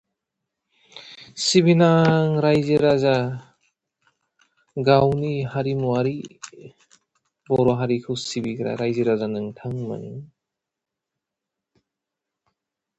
It is the highest award offered by the Australian Archaeological Association.